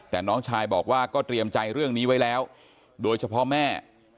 แต่น้องชายบอกว่าก็เตรียมใจเรื่องนี้ไว้แล้วโดยเฉพาะแม่